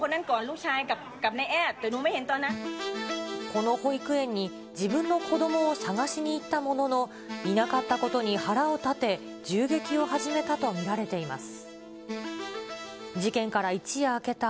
この保育園に、自分の子どもを探しに行ったものの、いなかったことに腹を立て、銃撃を始めたと見られています。